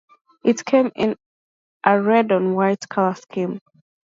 It came in a red-on-white color scheme.